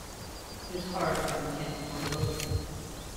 It is hard when you can't do what you love.